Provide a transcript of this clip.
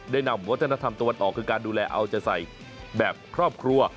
นำวัฒนธรรมตะวันออกคือการดูแลเอาใจใส่แบบครอบครัว